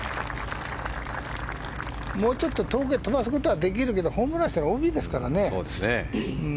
もうちょっと遠くに飛ばすことはできるけどホームランしたらＯＢですからね。